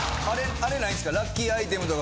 あれないんですか？